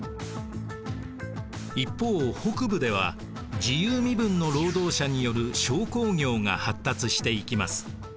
一方北部では自由身分の労働者による商工業が発達していきます。